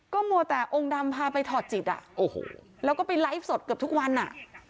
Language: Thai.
มัวแต่องค์ดำพาไปถอดจิตอ่ะโอ้โหแล้วก็ไปไลฟ์สดเกือบทุกวันอ่ะ